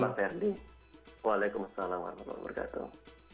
assalamualaikum warahmatullahi wabarakatuh